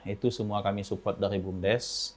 itu semua kami support dari bumdes